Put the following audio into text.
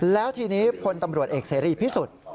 แล้วทีนี้พลตำรวจเอกเสรีพิสุทธิ์